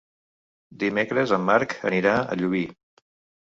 Dimecres en Marc anirà a Llubí.